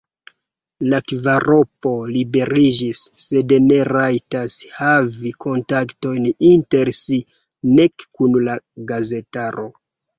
La kvaropo liberiĝis, sed ne rajtas havi kontaktojn inter si, nek kun la gazetaro.